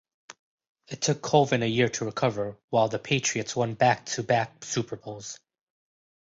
It took Colvin a year to recover, while the Patriots won back-to-back Super Bowls.